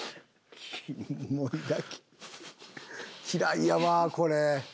嫌いやわこれ。